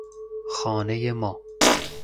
خانهی ما